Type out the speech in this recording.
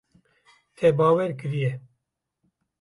Te bawer kiriye.